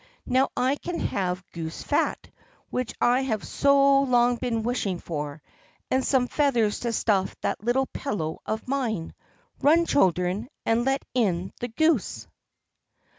Now I can have goose fat, which I have so long been wishing for, and some feathers to stuff that little pillow of mine. Run, children, and let in the goose."